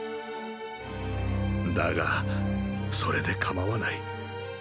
だがそれで構わない。